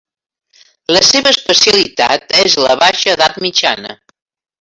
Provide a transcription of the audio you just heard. La seva especialitat és la Baixa edat mitjana.